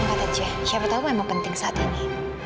angkat aja siapa tahu memang penting saat ini